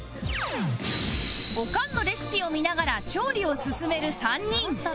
オカンのレシピを見ながら調理を進める３人